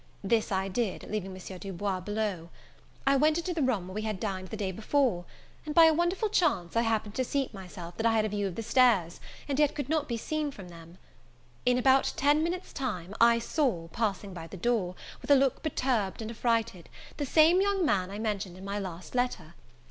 This I did, leaving M. Du Bois below. I went into the room where we had dined the day before; and, by a wonderful chance, I happened to seat myself, that I had a view of the stairs, and yet could not be seen from them. In about ten minutes time, I saw, passing by the door, with a look perturbed and affrighted, the same young man I mentioned in my last letter.